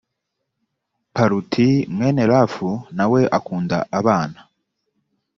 paluti mwene rafu nawe akunda abana.